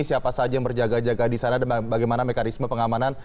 siapa saja yang berjaga jaga di sana dan bagaimana mekanisme pengamanan